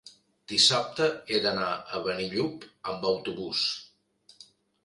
Dissabte he d'anar a Benillup amb autobús.